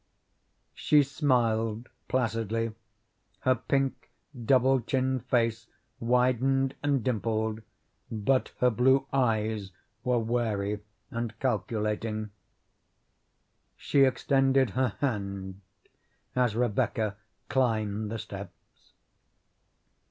She smiled placidly, her pink, double chinned face widened and dimpled, but her blue eyes were wary and calculating. She extended her hand as Rebecca climbed the steps.